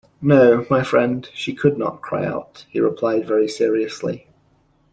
"No, my friend, she could not cry out," he replied very seriously.